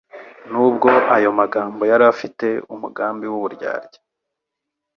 Nubwo ayo magambo yari afite umugambi w'uburyarya,